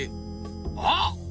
あっ！